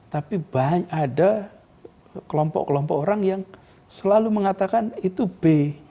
tapi banyak kelompok kelompok orang yang selalu mengatakan itu b